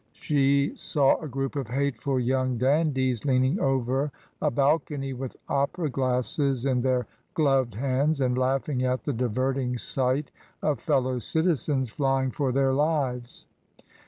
She saw a group of hateful young dandies leaning over a balcony with opera glasses in their gloved hands, and laughing at the diverting sight of fellow citizens flying for their lives.